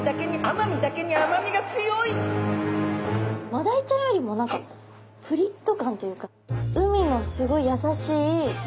マダイちゃんよりも何かぷりっと感っていうか海のすごい優しい香りがする。